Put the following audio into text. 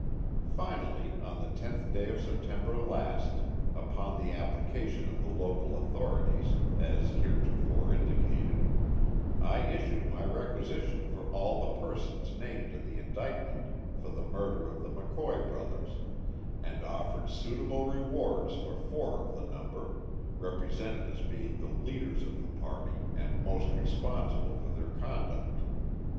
Finally, on the 10th day of September last, upon the application of the local authorities, as heretofore indicated, I issued my requisition for all the persons named in the indictment for the murder of the McCoy brothers, and offered suitable rewards for four of the number, represented as being the leaders of the party and most responsible for their conduct.